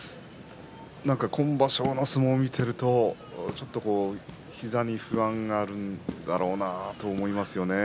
今場所の相撲を見ていると膝に不安があるんだろうなと思いますね。